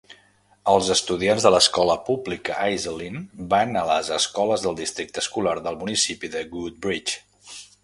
Els estudiants de l'escola pública Iselin van a les escoles del districte escolar del municipi de Woodbridge.